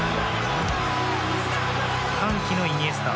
歓喜のイニエスタ。